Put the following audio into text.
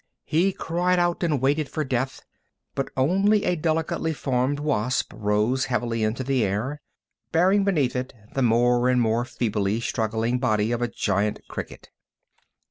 He cried out and waited for death, but only a delicately formed wasp rose heavily into the air, bearing beneath it the more and more feebly struggling body of a giant cricket.